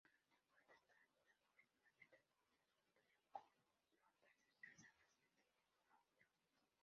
Actualmente el pueblo está habitado principalmente por grecochipriotas desplazados desde el norte.